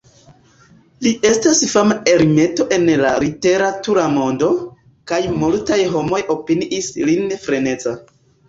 Li estas fama ermito en la literatura mondo, kaj multaj homoj opiniis lin freneza.